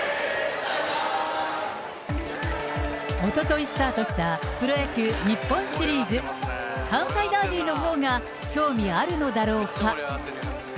おとといスタートしたプロ野球・日本シリーズ、関西ダービーのほうが興味あるのだろうか。